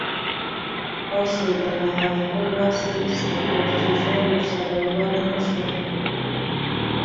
پاڅېدله او خپل لاس یې ایسته کړ چې زه ورسره ولاړ نه شم.